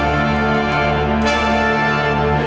aku mau berhenti